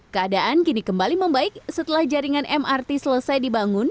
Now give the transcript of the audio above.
keadaan kini kembali membaik setelah jaringan mrt selesai dibangun